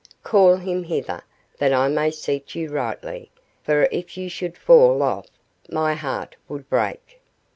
Call him hither, that I may seat you rightly, for if you should fall off my heart would break."